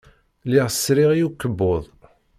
Lliɣ sriɣ i ukebbuḍ.